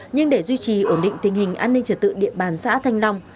nhưng để duy trì ổn định tình hình an ninh trật tự địa bàn xã thanh long